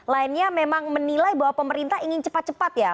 lainnya memang menilai bahwa pemerintah ingin cepat cepat ya